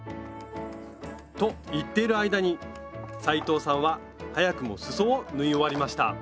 と言っている間に斉藤さんは早くもすそを縫い終わりました